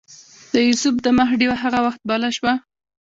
د یوسف د مخ ډیوه هغه وخت بله شوه.